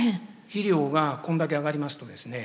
肥料がこんだけ上がりますとですね